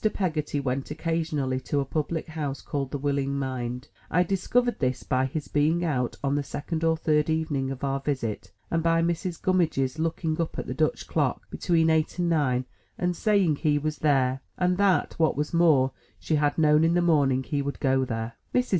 Peggotty went occasionally to a public house called The Willing Mind. I discovered this, by his being out on the second or third evening of our visit, and by Mrs. Gummidge's looking up at the Dutch clock, between eight and nine, and saying he was there, and that, what was more, she had known in the morning he would go there. Mrs.